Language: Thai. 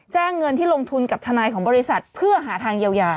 เงินที่ลงทุนกับทนายของบริษัทเพื่อหาทางเยียวยา